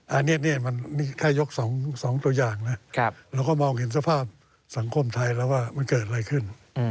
อันนี้มันนี่แค่ยก๒ตัวอย่างนะเราก็มองเห็นสภาพสังคมไทยแล้วว่ามันเกิดอะไรขึ้น